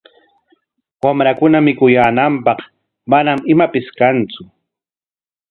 Wamrankuna mikuyaananpaq manam imapis kantsu.